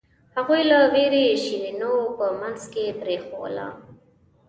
هغوی له وېرې شیرینو په منځ کې پرېښووله.